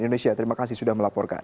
indonesia terima kasih sudah melaporkan